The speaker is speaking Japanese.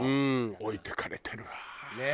置いてかれてるわ本当。